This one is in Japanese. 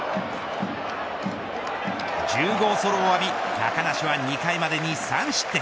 １０号ソロを浴び高梨は２回までに３失点。